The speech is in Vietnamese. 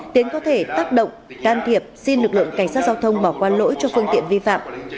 tiến có thể tác động can thiệp xin lực lượng cảnh sát giao thông bỏ qua lỗi cho phương tiện vi phạm